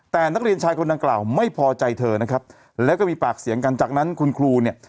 แต่นักเรียนชายคนดังกล่าวไม่พอใจเธอนะครับแล้วก็มีปากเสียงกันจากนั้นคุณครูเนี่ย